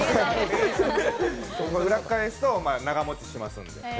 裏返すと長もちしますんで。